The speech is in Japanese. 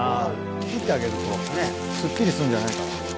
切ってあげるとねっすっきりするんじゃないかな。